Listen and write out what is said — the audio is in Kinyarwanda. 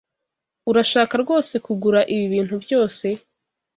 Urashaka rwose kugura ibi bintu byose?